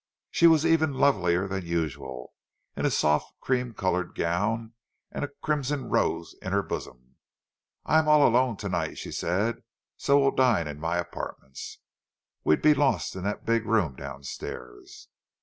She was even lovelier than usual, in a soft cream coloured gown, and a crimson rose in her bosom. "I'm all alone to night," she said, "so we'll dine in my apartments. We'd be lost in that big room downstairs."